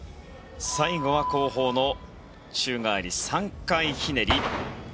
最後は後方の宙返り３回ひねり。